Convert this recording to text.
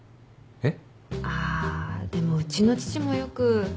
えっ？